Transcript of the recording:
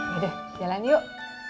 yaudah jalan yuk